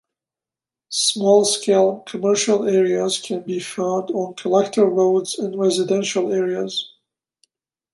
Small-scale commercial areas can be found on collector roads in residential areas.